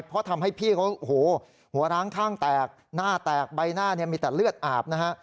เพราะทำให้พี่เขาหัวร้างข้างแตกหน้าแตกใบหน้าเนี่ยมีแต่เลือดอาบนะฮะ